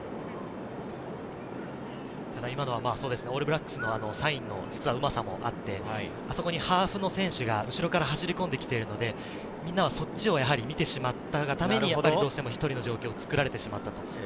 ただ、今のはオールブラックスのサインのうまさもあって、ハーフの選手が後ろから走り込んできているので、みんなはそっちを見てしまったがために、１人の状況を作られてしまった。